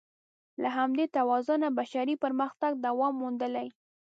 له همدې توازنه بشري پرمختګ دوام موندلی.